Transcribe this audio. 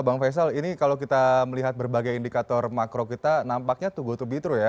bang faisal ini kalau kita melihat berbagai indikator makro kita nampaknya to go to be tro ya